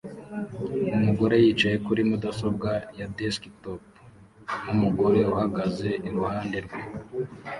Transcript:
Umugore yicaye kuri mudasobwa ya desktop nkumugore uhagaze iruhande rwe